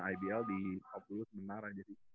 ibl di top dulu sebenarnya